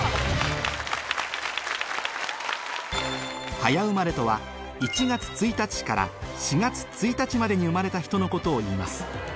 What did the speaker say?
早生まれとは１月１日から４月１日までに生まれた人のことをいいます